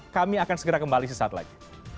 kami akan segera kembali sesaat lagi